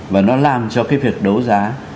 và nó làm cho cái việc đấu giá